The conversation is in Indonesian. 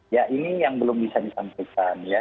ya ini yang belum bisa disampaikan ya